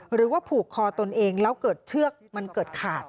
หรือว่าผูกคอตนเองแล้วเกิดเชือกมันเกิดขาด